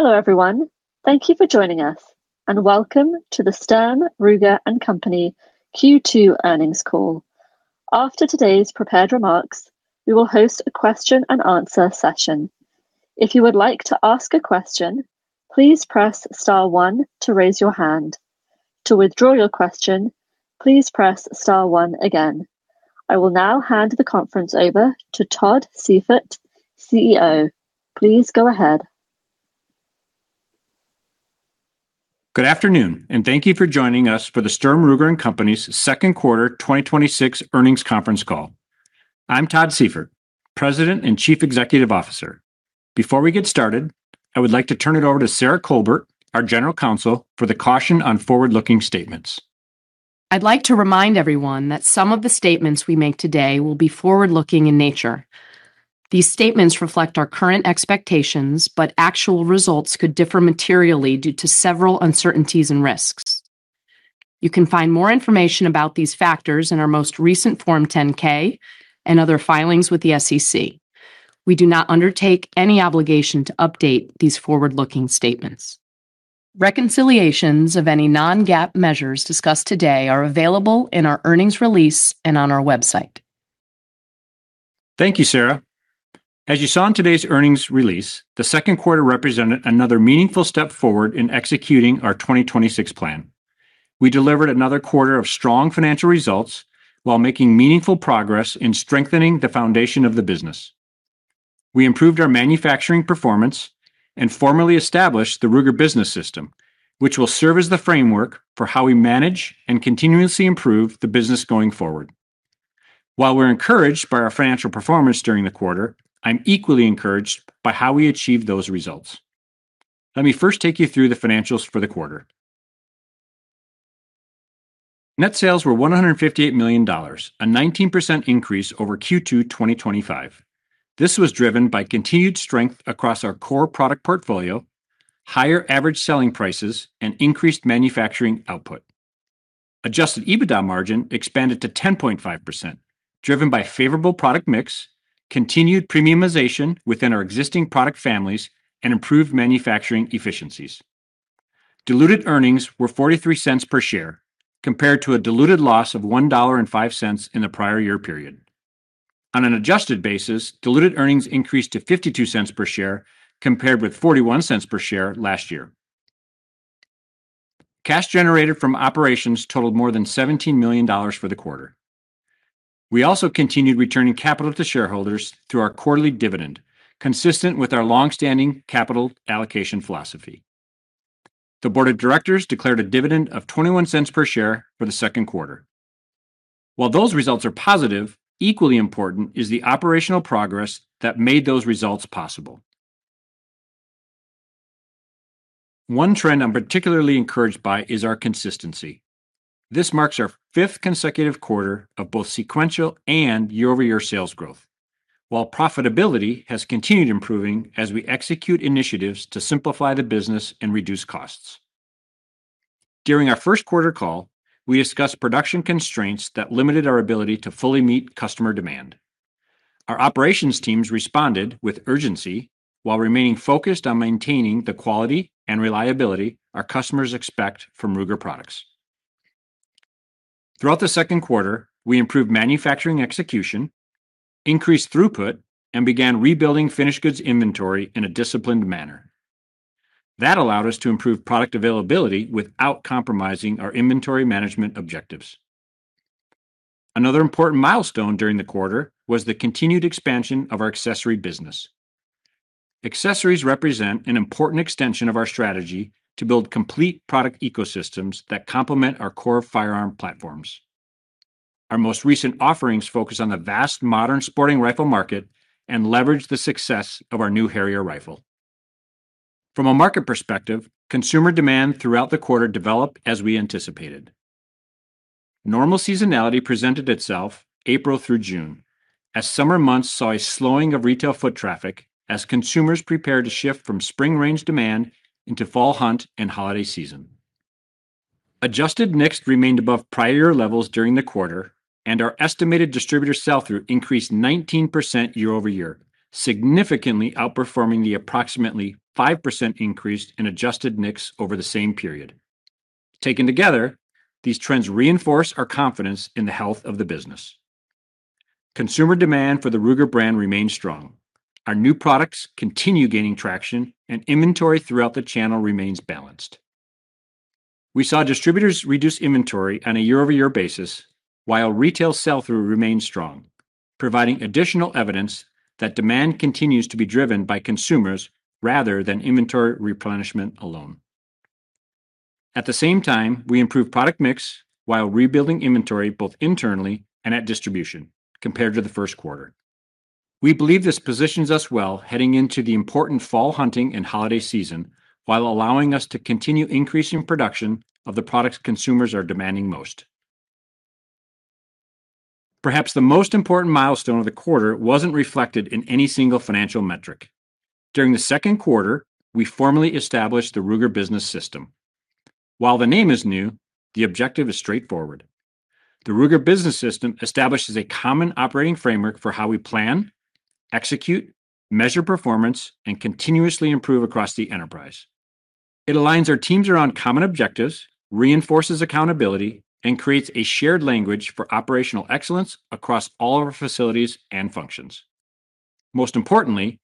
Hello, everyone. Thank you for joining us, and welcome to the Sturm, Ruger & Company Q2 earnings call. After today's prepared remarks, we will host a question and answer session. If you would like to ask a question, please press star one to raise your hand. To withdraw your question, please press star one again. I will now hand the conference over to Todd Seyfert, CEO. Please go ahead. Good afternoon. Thank you for joining us for the Sturm, Ruger & Company's second quarter 2026 earnings conference call. I'm Todd Seyfert, President and Chief Executive Officer. Before we get started, I would like to turn it over to Sarah Colbert, our General Counsel, for the caution on forward-looking statements. I'd like to remind everyone that some of the statements we make today will be forward-looking in nature. These statements reflect our current expectations, but actual results could differ materially due to several uncertainties and risks. You can find more information about these factors in our most recent Form 10-K and other filings with the SEC. We do not undertake any obligation to update these forward-looking statements. Reconciliations of any non-GAAP measures discussed today are available in our earnings release and on our website. Thank you, Sarah. As you saw in today's earnings release, the second quarter represented another meaningful step forward in executing our 2026 plan. We delivered another quarter of strong financial results while making meaningful progress in strengthening the foundation of the business. We improved our manufacturing performance and formally established the Ruger Business System, which will serve as the framework for how we manage and continuously improve the business going forward. While we're encouraged by our financial performance during the quarter, I'm equally encouraged by how we achieved those results. Let me first take you through the financials for the quarter. Net sales were $158 million, a 19% increase over Q2 2025. This was driven by continued strength across our core product portfolio, higher average selling prices, and increased manufacturing output. Adjusted EBITDA margin expanded to 10.5%, driven by favorable product mix, continued premiumization within our existing product families, and improved manufacturing efficiencies. Diluted earnings were $0.43 per share, compared to a diluted loss of $1.05 in the prior year period. On an adjusted basis, diluted earnings increased to $0.52 per share, compared with $0.41 per share last year. Cash generated from operations totaled more than $17 million for the quarter. We also continued returning capital to shareholders through our quarterly dividend, consistent with our longstanding capital allocation philosophy. The Board of Directors declared a dividend of $0.21 per share for the second quarter. Those results are positive, equally important is the operational progress that made those results possible. One trend I'm particularly encouraged by is our consistency. This marks our fifth consecutive quarter of both sequential and year-over-year sales growth. Profitability has continued improving as we execute initiatives to simplify the business and reduce costs. During our first quarter call, we discussed production constraints that limited our ability to fully meet customer demand. Our operations teams responded with urgency while remaining focused on maintaining the quality and reliability our customers expect from Ruger products. Throughout the second quarter, we improved manufacturing execution, increased throughput, and began rebuilding finished goods inventory in a disciplined manner. That allowed us to improve product availability without compromising our inventory management objectives. Another important milestone during the quarter was the continued expansion of our accessory business. Accessories represent an important extension of our strategy to build complete product ecosystems that complement our core firearm platforms. Our most recent offerings focus on the vast modern sporting rifle market and leverage the success of our new Harrier rifle. From a market perspective, consumer demand throughout the quarter developed as we anticipated. Normal seasonality presented itself April through June, as summer months saw a slowing of retail foot traffic as consumers prepare to shift from spring range demand into fall hunt and holiday season. Adjusted NICS remained above prior levels during the quarter, and our estimated distributor sell-through increased 19% year-over-year, significantly outperforming the approximately 5% increase in adjusted NICS over the same period. Taken together, these trends reinforce our confidence in the health of the business. Consumer demand for the Ruger brand remains strong. Our new products continue gaining traction and inventory throughout the channel remains balanced. We saw distributors reduce inventory on a year-over-year basis while retail sell-through remained strong, providing additional evidence that demand continues to be driven by consumers rather than inventory replenishment alone. At the same time, we improved product mix while rebuilding inventory both internally and at distribution compared to the first quarter. We believe this positions us well heading into the important fall hunting and holiday season, while allowing us to continue increasing production of the products consumers are demanding most. Perhaps the most important milestone of the quarter wasn't reflected in any single financial metric. During the second quarter, we formally established the Ruger Business System. While the name is new, the objective is straightforward. The Ruger Business System establishes a common operating framework for how we plan, execute, measure performance, and continuously improve across the enterprise. It aligns our teams around common objectives, reinforces accountability, and creates a shared language for operational excellence across all of our facilities and functions. Most importantly,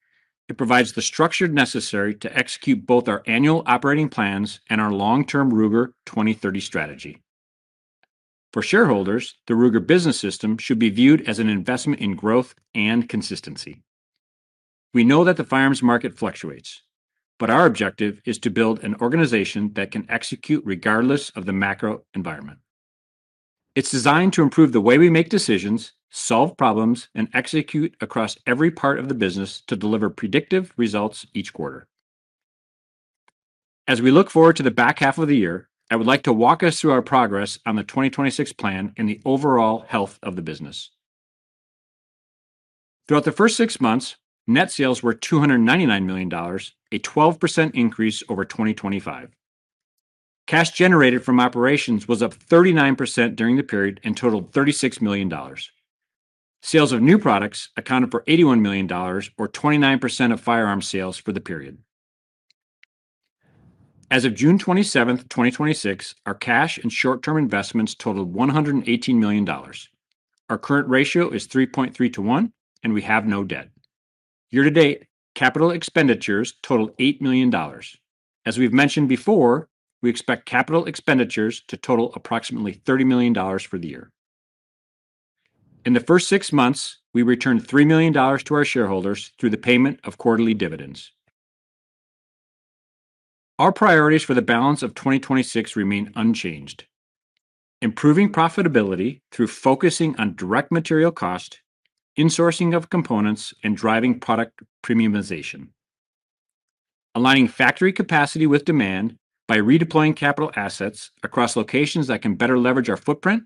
it provides the structure necessary to execute both our annual operating plans and our long-term Ruger 2030 strategy. For shareholders, the Ruger Business System should be viewed as an investment in growth and consistency. We know that the firearms market fluctuates, but our objective is to build an organization that can execute regardless of the macro environment. It's designed to improve the way we make decisions, solve problems, and execute across every part of the business to deliver predictive results each quarter. As we look forward to the back half of the year, I would like to walk us through our progress on the 2026 plan and the overall health of the business. Throughout the first six months, net sales were $299 million, a 12% increase over 2025. Cash generated from operations was up 39% during the period and totaled $36 million. Sales of new products accounted for $81 million, or 29% of firearm sales for the period. As of June 27th, 2026, our cash and short-term investments totaled $118 million. Our current ratio is 3.3:1, and we have no debt. Year to date, capital expenditures total $8 million. As we've mentioned before, we expect capital expenditures to total approximately $30 million for the year. In the first six months, we returned $3 million to our shareholders through the payment of quarterly dividends. Our priorities for the balance of 2026 remain unchanged. Improving profitability through focusing on direct material cost, insourcing of components, and driving product premiumization. Aligning factory capacity with demand by redeploying capital assets across locations that can better leverage our footprint,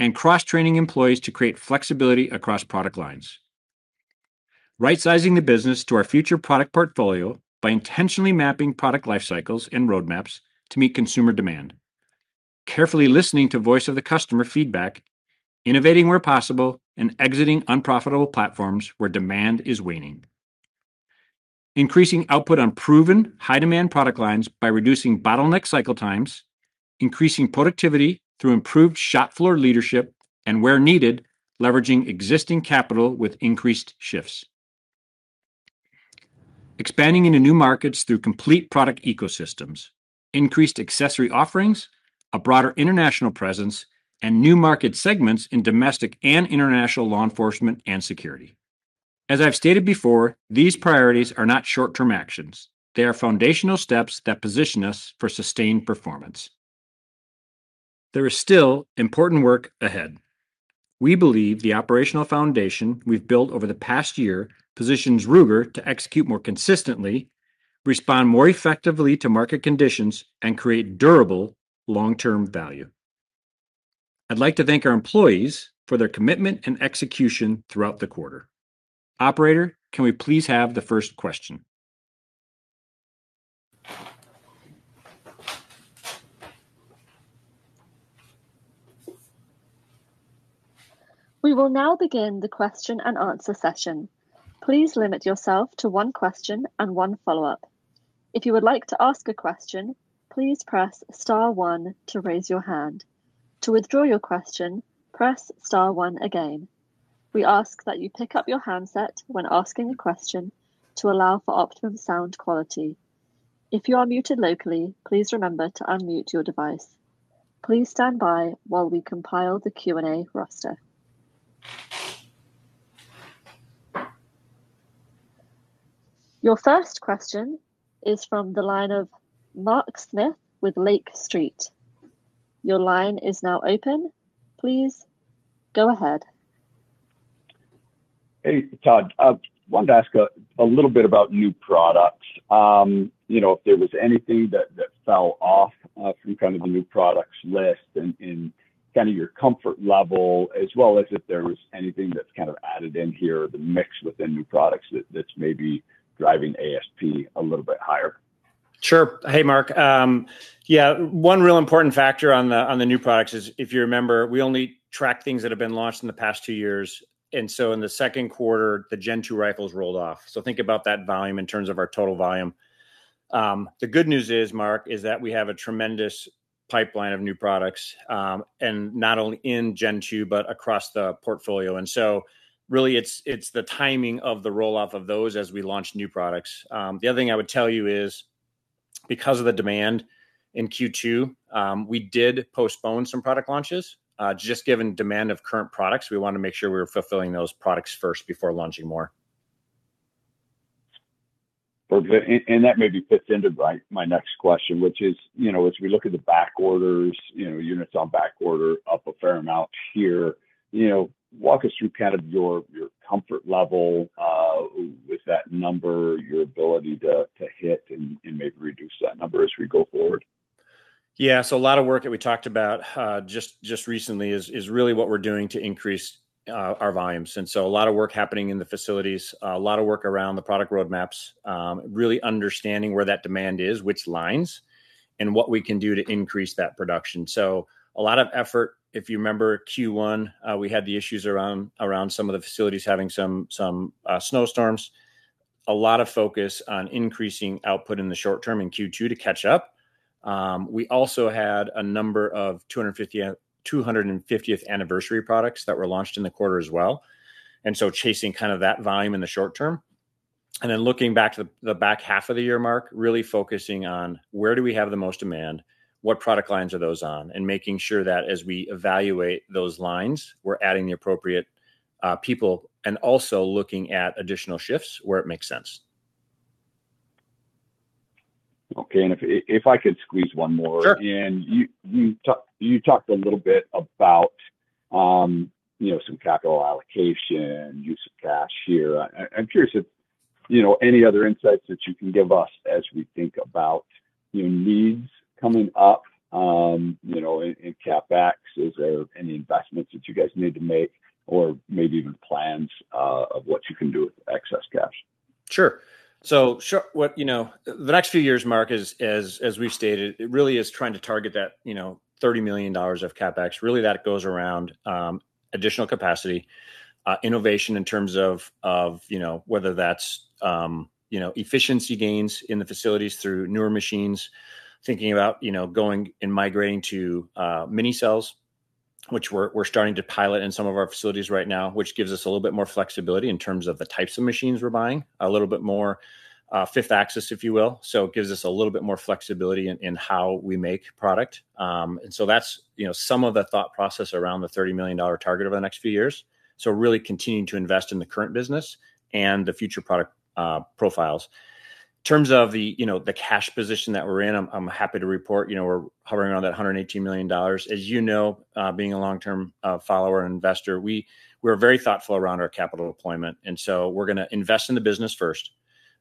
and cross-training employees to create flexibility across product lines. Right-sizing the business to our future product portfolio by intentionally mapping product life cycles and roadmaps to meet consumer demand. Carefully listening to voice-of-the-customer feedback, innovating where possible, and exiting unprofitable platforms where demand is waning. Increasing output on proven high-demand product lines by reducing bottleneck cycle times, increasing productivity through improved shop floor leadership, and, where needed, leveraging existing capital with increased shifts. Expanding into new markets through complete product ecosystems, increased accessory offerings, a broader international presence, and new market segments in domestic and international law enforcement and security. As I've stated before, these priorities are not short-term actions. They are foundational steps that position us for sustained performance. There is still important work ahead. We believe the operational foundation we've built over the past year positions Ruger to execute more consistently, respond more effectively to market conditions, and create durable long-term value. I'd like to thank our employees for their commitment and execution throughout the quarter. Operator, can we please have the first question? We will now begin the question and answer session. Please limit yourself to one question and one follow-up. If you would like to ask a question, please press star one to raise your hand. To withdraw your question, press star one again. We ask that you pick up your handset when asking a question to allow for optimum sound quality. If you are muted locally, please remember to unmute your device. Please stand by while we compile the Q&A roster. Your first question is from the line of Mark Smith with Lake Street. Your line is now open. Please go ahead. Hey, Todd. I wanted to ask a little bit about new products. If there was anything that fell off from the new products list and your comfort level, as well as if there was anything that's added in here, the mix within new products that's maybe driving ASP a little bit higher. Sure. Hey, Mark. Yeah, one real important factor on the new products is, if you remember, we only track things that have been launched in the past two years. In the second quarter, the Gen II rifles rolled off. Think about that volume in terms of our total volume. The good news is, Mark, is that we have a tremendous pipeline of new products, not only in Gen II, but across the portfolio. Really it's the timing of the roll-off of those as we launch new products. The other thing I would tell you is, because of the demand in Q2, we did postpone some product launches. Just given demand of current products, we want to make sure we were fulfilling those products first before launching more. Perfect. That maybe fits into my next question, which is, as we look at the back orders, units on back order up a fair amount here. Walk us through your comfort level with that number, your ability to hit, and maybe reduce that number as we go forward. Yeah. A lot of work that we talked about just recently is really what we're doing to increase our volumes. A lot of work happening in the facilities, a lot of work around the product roadmaps, really understanding where that demand is, which lines, and what we can do to increase that production. A lot of effort. If you remember Q1, we had the issues around some of the facilities having some snowstorms. A lot of focus on increasing output in the short term in Q2 to catch up. We also had a number of 250th Anniversary Series that were launched in the quarter as well, chasing that volume in the short term. Looking back to the back half of the year, Mark, really focusing on where do we have the most demand, what product lines are those on, and making sure that as we evaluate those lines, we're adding the appropriate people, and also looking at additional shifts where it makes sense. Okay. If I could squeeze one more in. Sure. You talked a little bit about some capital allocation, use of cash here. I'm curious if any other insights that you can give us as we think about needs coming up in CapEx. Is there any investments that you guys need to make? Maybe even plans of what you can do with excess cash. Sure. The next few years, Mark, as we've stated, it really is trying to target that $30 million of CapEx. Really, that goes around additional capacity, innovation in terms of whether that's efficiency gains in the facilities through newer machines, thinking about going and migrating to mini-cells, which we're starting to pilot in some of our facilities right now, which gives us a little bit more flexibility in terms of the types of machines we're buying, a little bit more fifth axis, if you will. It gives us a little bit more flexibility in how we make product. That's some of the thought process around the $30 million target over the next few years. Really continuing to invest in the current business and the future product profiles. In terms of the cash position that we're in, I'm happy to report we're hovering around that $118 million. As you know, being a long-term follower and investor, we're very thoughtful around our capital deployment. We're going to invest in the business first.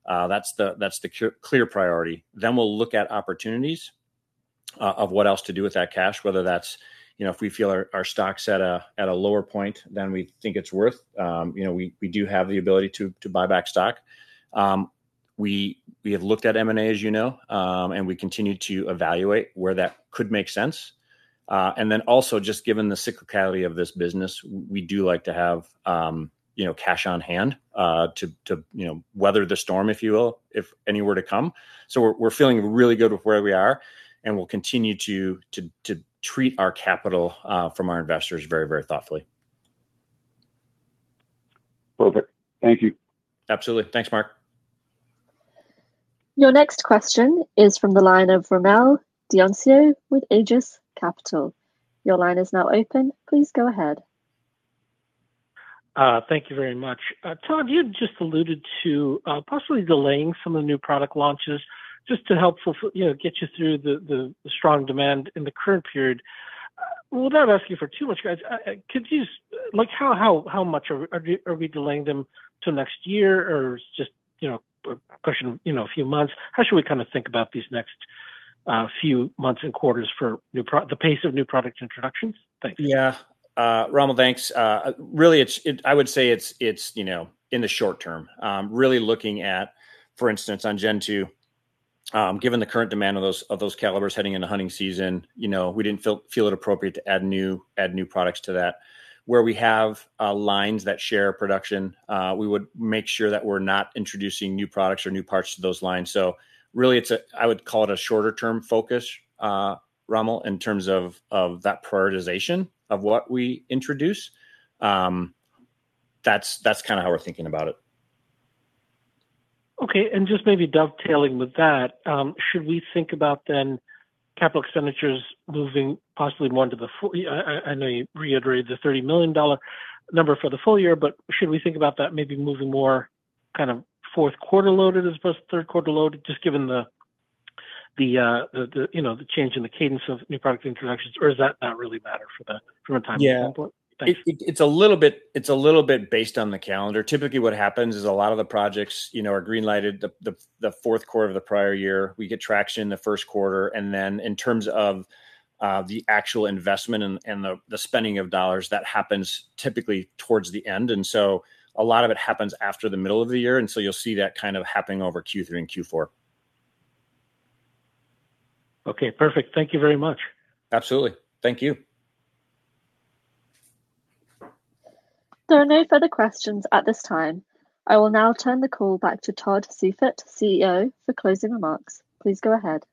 That's the clear priority. We'll look at opportunities of what else to do with that cash, whether that's if we feel our stock's at a lower point than we think it's worth. We do have the ability to buy back stock. We have looked at M&A, as you know, and we continue to evaluate where that could make sense. Also, just given the cyclicality of this business, we do like to have cash on hand to weather the storm, if you will, if any were to come. We're feeling really good with where we are, and we'll continue to treat our capital from our investors very thoughtfully. Perfect. Thank you. Absolutely. Thanks, Mark. Your next question is from the line of Rommel Dionisio with Aegis Capital. Your line is now open. Please go ahead. Thank you very much. Todd, you had just alluded to possibly delaying some of the new product launches just to help get you through the strong demand in the current period. Without asking for too much, guys, how much are we delaying them to next year, or just a question a few months? How should we kind of think about these next few months and quarters for the pace of new product introductions? Thanks. Yeah. Rommel, thanks. Really, I would say it's in the short term. Really looking at, for instance, on Gen II, given the current demand of those calibers heading into hunting season, we didn't feel it appropriate to add new products to that. Where we have lines that share production, we would make sure that we're not introducing new products or new parts to those lines. Really, I would call it a shorter-term focus, Rommel, in terms of that prioritization of what we introduce. That's kind of how we're thinking about it. Okay, just maybe dovetailing with that, should we think about then capital expenditures moving possibly more into the—I know you reiterated the $30 million number for the full year, but should we think about that maybe moving more kind of fourth quarter loaded as opposed to third quarter loaded, just given the change in the cadence of new product introductions, or does that not really matter from a timing standpoint? Yeah. Thanks. It's a little bit based on the calendar. Typically, what happens is a lot of the projects are green-lighted the fourth quarter of the prior year. We get traction in the first quarter, then in terms of the actual investment and the spending of dollars, that happens typically towards the end. A lot of it happens after the middle of the year. You'll see that kind of happening over Q3 and Q4. Okay, perfect. Thank you very much. Absolutely. Thank you. There are no further questions at this time. I will now turn the call back to Todd Seyfert, CEO, for closing remarks. Please go ahead.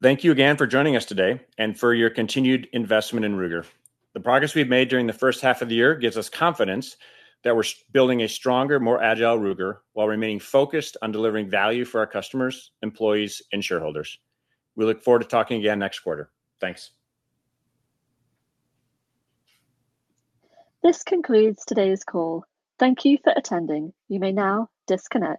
Thank you again for joining us today and for your continued investment in Ruger. The progress we've made during the first half of the year gives us confidence that we're building a stronger, more agile Ruger while remaining focused on delivering value for our customers, employees, and shareholders. We look forward to talking again next quarter. Thanks. This concludes today's call. Thank you for attending. You may now disconnect.